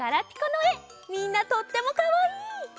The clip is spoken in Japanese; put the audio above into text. みんなとってもかわいい。